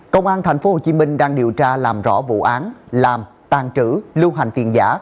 công an tp hcm đang điều tra làm rõ vụ án làm tàn trữ lưu hành tiền giả